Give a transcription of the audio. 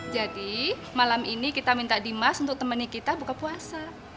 jadi malam ini kita minta dimas untuk temani kita buka puasa